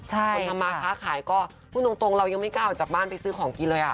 คนทำมาค้าขายก็พูดตรงเรายังไม่กล้าออกจากบ้านไปซื้อของกินเลย